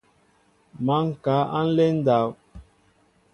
Má ŋkă a nlen ndáw.